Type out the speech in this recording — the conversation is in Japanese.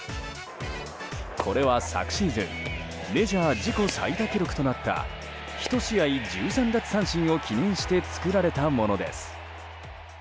これは昨シーズンメジャー自己最多記録となった１試合１３奪三振を記念して作られたものです。